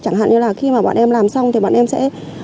chẳng hạn như là khi mà bọn em làm xong thì bọn em sẽ